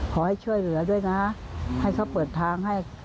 ขอให้ช่วยเหลือด้วยนะให้เขาเปิดทางให้